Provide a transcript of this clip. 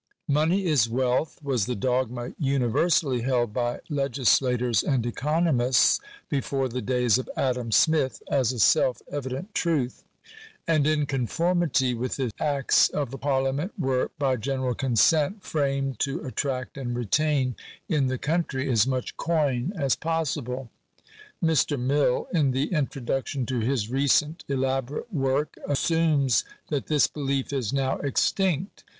"Money is wealth," was the dogma universally held by legislators and economists before the days of Adam Smith, as a self evident truth ; and in conformity with it acts of parliament were, by general consent, framed to attract and retain in the country as much coin as possible. Mr. Mill, in the introduc tion to his recent elaborate work, assumes that this belief is now extinct.